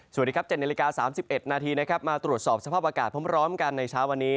สวัสดีครับ๗นาฬิกา๓๑นาทีนะครับมาตรวจสอบสภาพอากาศพร้อมกันในเช้าวันนี้